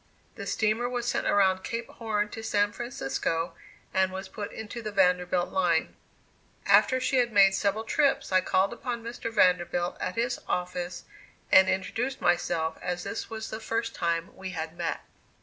The steamer was sent around Cape Horn to San Francisco, and was put into the Vanderbilt line. After she had made several trips I called upon Mr. Vanderbilt, at his office, and introduced myself, as this was the first time we had met.